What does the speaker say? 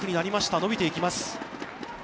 伸びていきます。